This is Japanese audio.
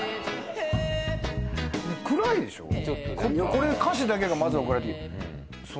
これ歌詞だけがまず送られてきて。